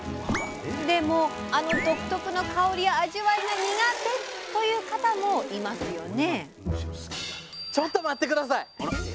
でもあの独特の香りや味わいが苦手という方もいますよね。